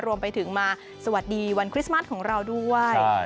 รวมไปถึงมาสวัสดีวันคริสต์มัสของเราด้วย